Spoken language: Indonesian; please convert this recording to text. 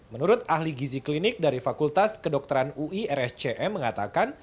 menurut ahli gizi klinik dari fakultas kedokteran ui rscm mengatakan